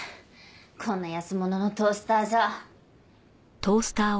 こんな安物のトースターじゃ。